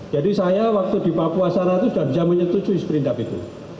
jadi saya waktu di papua sara itu sudah bisa menyetujui sprindap itu